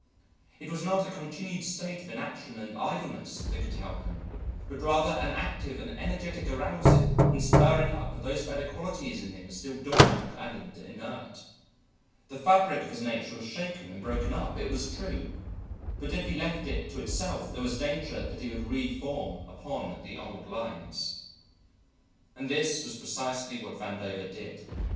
It was not a continued state of inaction and idleness that could help him, but rather an active and energetic arousing and spurring up of those better qualities in him still dormant and inert. The fabric of his nature was shaken and broken up, it was true, but if he left it to itself there was danger that it would re form upon the old lines. And this was precisely what Vandover did.